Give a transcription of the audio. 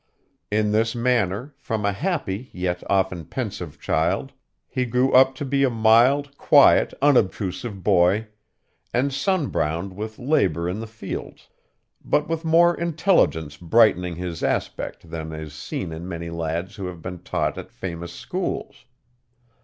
In this manner, from a happy yet often pensive child, he grew up to be a mild, quiet, unobtrusive boy, and sun browned with labor in the fields, but with more intelligence brightening his aspect than is seen in many lads who have been taught at famous schools.